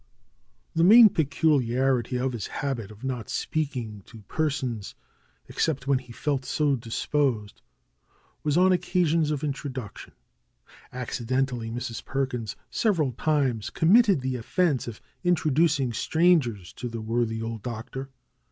The main peculiarity of his habit of not speaking to persons except wLen he felt so disposed was on occa/ sions of introduction. Accidentally Mrs. Perkins sev eral times committed the offense of introducing stran gers to the worthy old Doctor.